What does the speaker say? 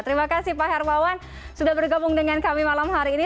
terima kasih pak hermawan sudah bergabung dengan kami malam hari ini